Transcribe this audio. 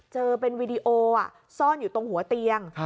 เจอเป็นวีดีโอซ่อนอยู่ตรงหัวเตียง